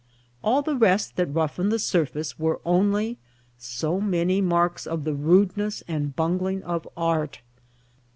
All the rest that roughen the surface, were onely so many marks of the rudeness and bungling of Art.